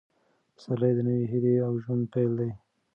پسرلی د نوې هیلې او ژوند پیل دی.